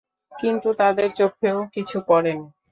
কিন্তু তাদের চোখেও কিছু পড়েনি।